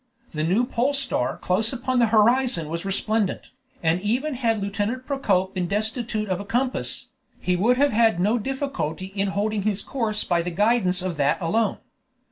The new pole star close upon the horizon was resplendent, and even had Lieutenant Procope been destitute of a compass, he would have had no difficulty in holding his course by the guidance of that alone.